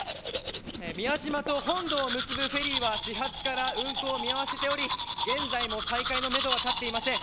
宮島と本土を結ぶフェリーは４月から運航を見合わせており現在も再開のめどは立っていません。